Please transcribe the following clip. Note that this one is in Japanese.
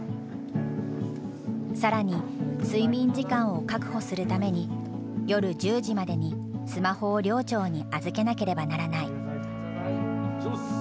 更に睡眠時間を確保するために夜１０時までにスマホを寮長に預けなければならない。